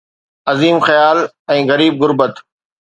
عظيم خيال ۽ غريب غربت.